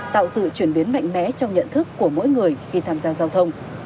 tạo sự chuyển biến mạnh mẽ trong nhận thức của mỗi người khi tham gia giao thông